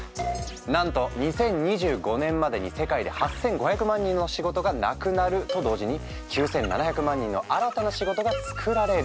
なんと２０２５年までに世界で８，５００万人の仕事がなくなると同時に９，７００万人の新たな仕事が作られる。